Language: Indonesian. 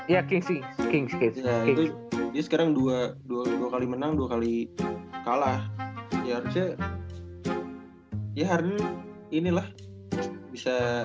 ya kings kings kings sekarang dua dua kali menang dua kali kalah ya harusnya ya harden inilah bisa